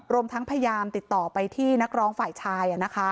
รวมทั้งพยายามติดต่อไปที่นักร้องฝ่ายชาย